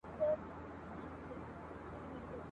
موږ له آدمزاده څخه شل میدانه وړي دي !.